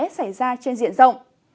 sẽ xảy ra trên diện rộng